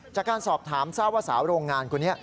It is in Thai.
จากการสอบถามทราบว่าสาวโรงงานคนนี้